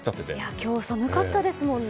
今日、寒かったですもんね。